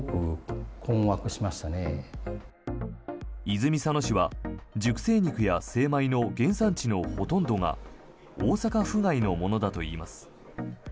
泉佐野市は、熟成肉や精米の原産地のほとんどが大阪府外のものだといいます。